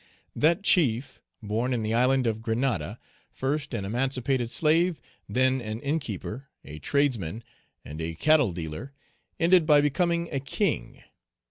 That chief, born in the island of Grenada, first an emancipated slave, then an innkeeper, a tradesman, and a cattle dealer, ended by becoming a king.